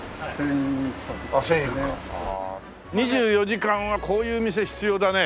２４時間はこういう店必要だね。